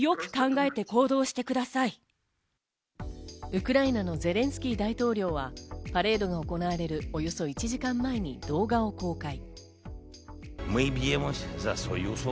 ウクライナのゼレンスキー大統領はパレードが行われるおよそ１時間前に動画を公開。